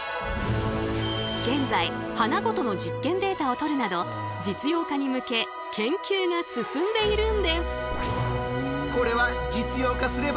現在花ごとの実験データを取るなど実用化に向け研究が進んでいるんです。